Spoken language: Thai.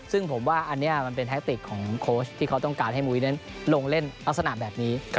ซึ่งผมว่าอันนี้มันเป็นแท็กติกของโค้ชที่เขาต้องการให้มุ้ยนั้นลงเล่นลักษณะแบบนี้